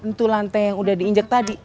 tentu lantai yang udah diinjek tadi